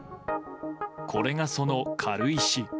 これがその軽石。